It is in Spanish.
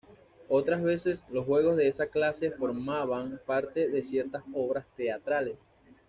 Otras veces, los juegos de esa clase formaban parte de ciertas obras teatrales.